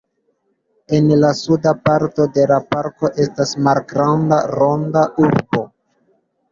En la suda parto de la parko estas malgranda Ronda Urbo.